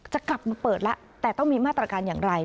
จะกลับมาเปิดแล้วแต่ต้องมีมาตรการอย่างไร